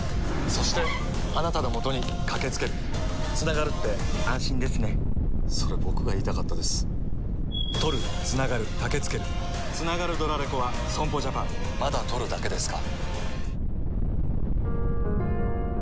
そして、あなたのもとにかけつけるつながるって安心ですねそれ、僕が言いたかったですつながるドラレコは損保ジャパンまだ録るだけですか？